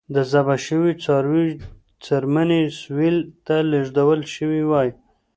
د ذبح شویو څارویو څرمنې سویل ته لېږدول شوې وای.